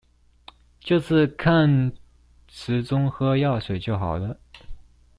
就是看時鐘喝藥水就好了